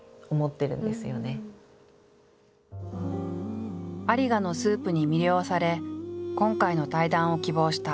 有賀のスープに魅了され今回の対談を希望した飯豊。